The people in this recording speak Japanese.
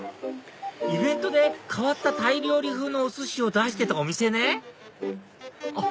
イベントで変わったタイ料理風のお寿司を出してたお店ねあっ